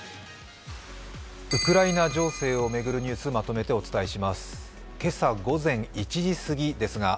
ウクライナ情勢を巡るニュース、まとめてお伝えします。